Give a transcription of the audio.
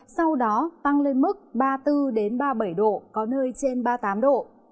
sau đó tăng lên mức ba mươi bốn ba mươi bảy độ có nơi trên ba mươi tám độ